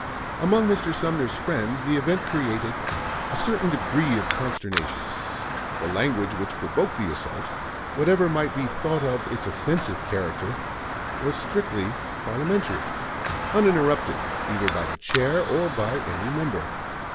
Among Mr. Sumner's friends the event created a certain degree of consternation. The language which provoked the assault, whatever might be thought of its offensive character, was strictly parliamentary, uninterrupted either by the chair or by any member.